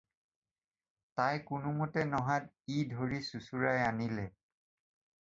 তাই কোনোমতে নহাত ই ধৰি চোঁচা ৰাই আনিলে।